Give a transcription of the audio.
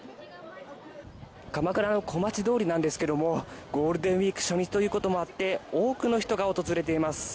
鎌倉の小町通りなんですがゴールデンウィーク初日ということもあって多くの人が訪れています。